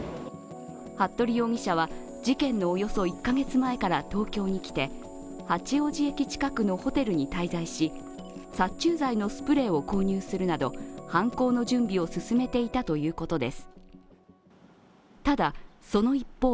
服部容疑者は事件のおよそ１カ月前から東京に来て、八王子駅近くのホテルに滞在し、殺虫剤のスプレーを購入するなど、犯行の準備を進めていたということです。